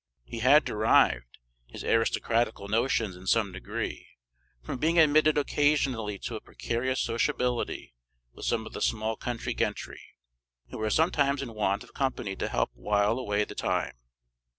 He had derived his aristocratical notions in some degree from being admitted occasionally to a precarious sociability with some of the small country gentry, who were sometimes in want of company to help while away the time.